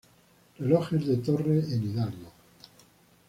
Relojes de torre en Hidalgo